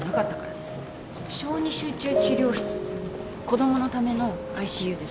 子供のためのＩＣＵです。